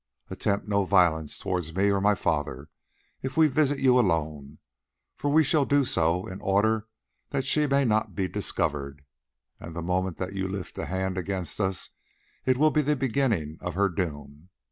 Attempt no violence towards me or my father if we visit you alone, for we shall do so in order that she may not be discovered, and the moment that you lift a hand against us will be the beginning of her doom.